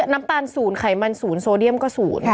น้ำตาล๐ไขมัน๐โซเดียมก็๐